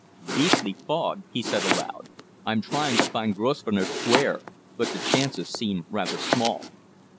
"Beastly fog!" he said, aloud. "I'm trying to find Grosvenor Square, but the chances seem rather small."